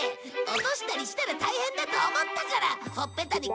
落としたりしたら大変だと思ったからほっぺたに。